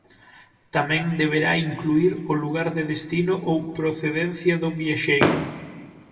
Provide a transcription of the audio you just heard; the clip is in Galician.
Tamén deberá incluír o lugar de destino ou procedencia do viaxeiro.